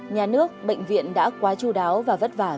nhà nước bệnh viện đã quá chú đáo và vất vả